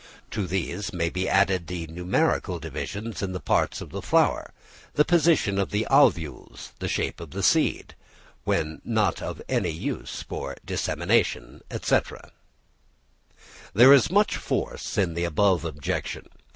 To these may be added the numerical divisions in the parts of the flower, the position of the ovules, the shape of the seed, when not of any use for dissemination, &c. There is much force in the above objection.